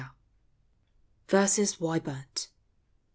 VERSES WHY BURXT.